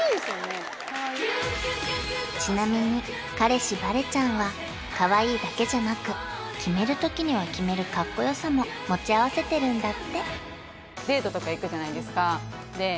ちなみに彼氏ヴァレちゃんはかわいいだけじゃなく決めるときには決めるかっこよさも持ち合わせてるんだってデートとか行くじゃないですか